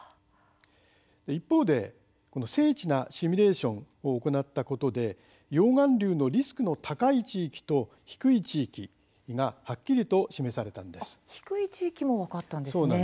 一方で精緻なシミュレーションを行ったことで溶岩流のリスクの高い地域と低い地域が低い地域も分かったんですね。